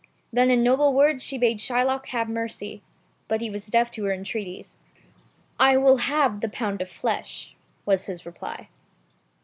Then in noble words she bade the Jew have mercy. But he was deaf to her entreaties. "I will have the pound of flesh," was his reply.